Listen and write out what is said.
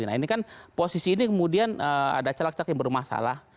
nah ini kan posisi ini kemudian ada caleg caleg yang bermasalah